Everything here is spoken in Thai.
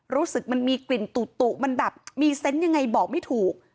รู้สึกมันมีกลิ่นตุมันแบบมีเซนต์ยังไงบอกไม่ถูก